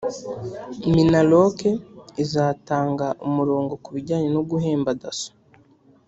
minaloc izatanga umurongo kubijyanye no guhemba dasso